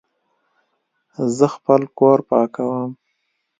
زه خپل کور پاکوم